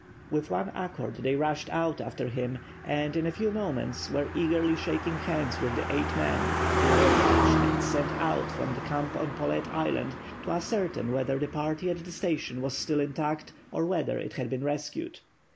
With one accord they rushed out after him, and in a few moments were eagerly shaking hands with the eight men, who were a detachment sent out from the camp on Paulet Island to ascertain whether the party at the station was still intact or whether it had been rescued.